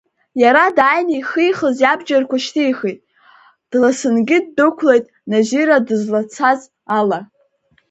Иара дааины ихихыз иабџьарқәа шьҭихит, дласынгьы ддәықәлеит Назира дызлацаз ала.